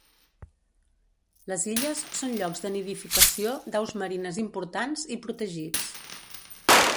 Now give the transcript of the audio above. Les illes són llocs de nidificació d'aus marines importants i protegits.